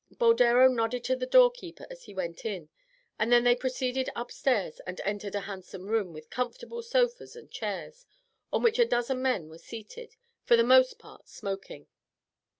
Boldero nodded to the doorkeeper as he went in, and they then proceeded upstairs and entered a handsome room, with comfortable sofas and chairs, on which a dozen men were seated, for the most part smoking.